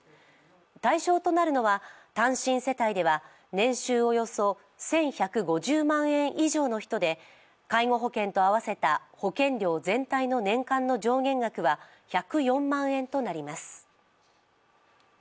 対象となるのは単身世帯では、年収およそ１１５０万円以上の人で介護保険と合わせた保険料全体の年間の上限額は１０４万円となります。